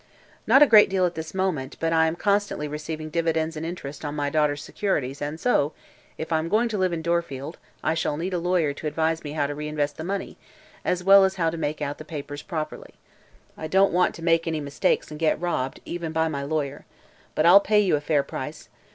"Not a great deal at this moment, but I am I constantly receiving dividends and interest on my daughter's securities and so, if I am going to live in Dorfield, I shall need a lawyer to advise me how to reinvest the money, as well as how to make out the papers properly. I don't want to make any mistakes and get robbed even by my lawyer. But I'll pay you a fair price.